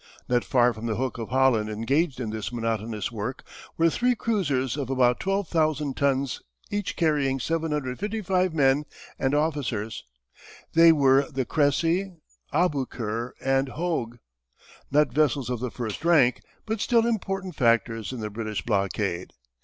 Not far from the Hook of Holland engaged in this monotonous work were three cruisers of about 12,000 tons, each carrying 755 men and officers. They were the Cressy, Aboukir, and Hogue not vessels of the first rank but still important factors in the British blockade.